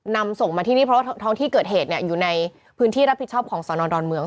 นำส่งมาที่นี่เพราะว่าท้องที่เกิดเหตุอยู่ในพื้นที่รับผิดชอบของสอนอนดอนเมือง